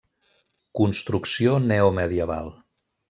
Construcció neomedieval.